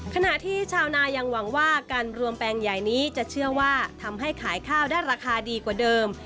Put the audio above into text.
ขณะที่ชาวนายังหวังว่าการรวมแปลงใหญ่นี้จะเชื่อว่าทำให้ขายข้าวได้ราคาดีกว่าเดิม